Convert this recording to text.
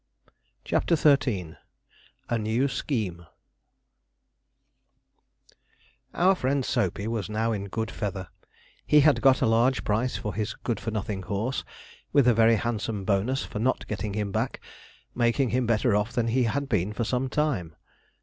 CHAPTER XIII A NEW SCHEME Our friend Soapey was now in good feather; he had got a large price for his good for nothing horse, with a very handsome bonus for not getting him back, making him better off than he had been for some time.